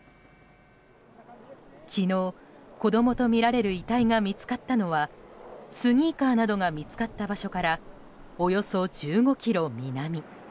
昨日、子供とみられる遺体が見つかったのはスニーカーなどが見つかった場所からおよそ１５ｋｍ南。